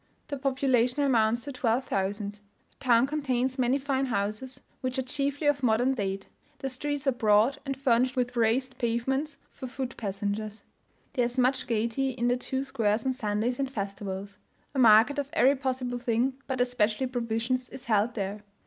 The population amounts to 12,000. The town contains many fine houses, which are chiefly of modern date; the streets are broad, and furnished with raised pavements for foot passengers. There is much gaiety in the two squares on Sundays and festivals. A market of every possible thing, but especially provisions, is held there.